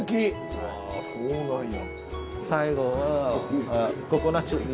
わあそうなんや。